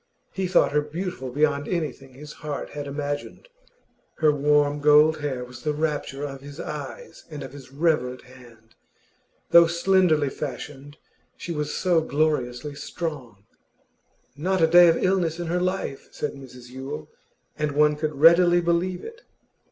He thought her beautiful beyond anything his heart had imagined; her warm gold hair was the rapture of his eyes and of his reverent hand. Though slenderly fashioned, she was so gloriously strong. 'Not a day of illness in her life,' said Mrs Yule, and one could readily believe it.